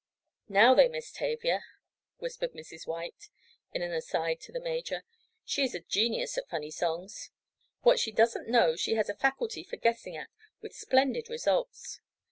"Now they miss Tavia," whispered Mrs. White in an aside to the major. "She is a genius at funny songs. What she doesn't know she has a faculty for guessing at with splendid results."